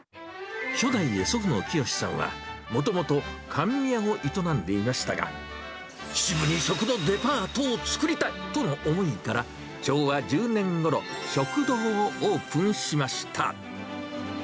初代で祖父の清さんは、もともと甘味屋を営んでいましたが、秩父に食のデパートを作りたいとの思いから、昭和１０年ごろ、食堂をオープンしました。